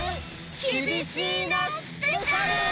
きびしいなスペシャル！